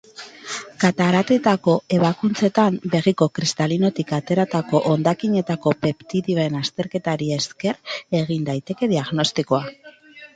Kataratetako ebakuntzetan, begiko kristalinotik ateratako hondakinetako peptidoen azterketari esker egin daiteke diagnostikoa.